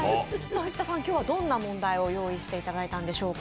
藤田さん、今日はどんな問題を用意していただいたんでしょうか？